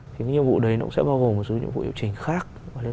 thì cái nhiệm vụ đấy nó cũng sẽ bao gồm một số nhiệm vụ hiệu chỉnh khác